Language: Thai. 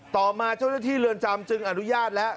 ต่อมาเจ้าหน้าที่เรือนจำจึงอนุญาตแล้ว